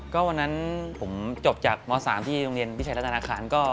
ก็วันนั้นผมจบจากม๓ที่โรงเรียนพิชัยรัฐนาคารก็